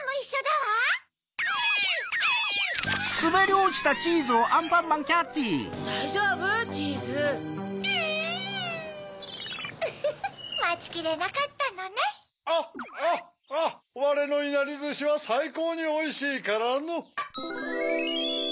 われのいなりずしはさいこうにおいしいからの。